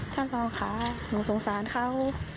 ท่านรองค่ะหนูสงสารเขา